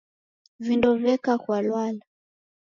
Vindo veka kwa lwala